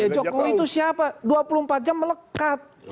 jokowi itu siapa dua puluh empat jam melekat